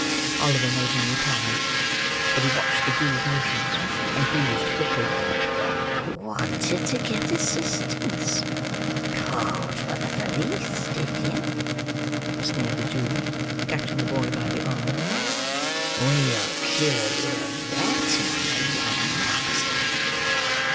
Oliver made no reply. But he watched the Jew's motions, and breathed quickly. "Wanted to get assistance; called for the police; did you?" sneered the Jew, catching the boy by the arm. "We'll cure you of that, my young master."